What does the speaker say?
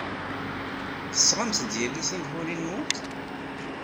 Tesɣamt-d yagi tinfulin-nwent?